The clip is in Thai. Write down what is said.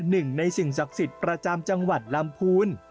หนึ่งในสิ่งศักดิ์สิทธิ์ประจำจังหวัดลำพูน